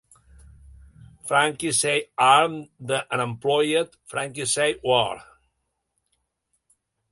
"Frankie Say Arm the Unemployed", "Frankie Say War!"